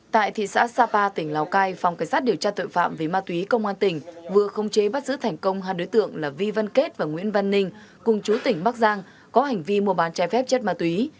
tại thị xã sapa tỉnh lào cai phòng cảnh sát điều tra tội phạm về ma túy công an tỉnh vừa không chế bắt giữ thành công hai đối tượng là vi văn kết và nguyễn văn ninh cùng chú tỉnh bắc giang có hành vi mua bán trái phép chất ma túy